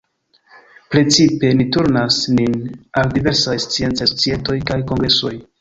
Precipe ni turnas nin al diversaj sciencaj societoj kaj kongresoj.